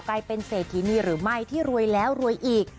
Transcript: กลายเป็นเศรษฐีนีหรือไม่ที่รวยแล้วรวยอีก